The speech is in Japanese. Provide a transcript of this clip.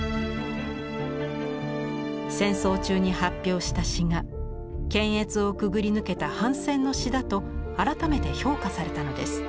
戦争中に発表した詩が検閲をくぐり抜けた反戦の詩だと改めて評価されたのです。